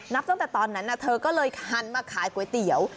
ตั้งแต่ตอนนั้นเธอก็เลยหันมาขายก๋วยเตี๋ยว